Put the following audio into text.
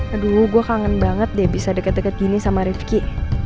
aduh gue kangen banget deh bisa deket deket gini sama rifki